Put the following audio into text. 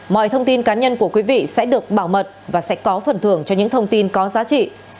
mọi thông tin cá nhân của quý vị sẽ được bảo mật và sẽ có phần thưởng cho những thông tin có giá trị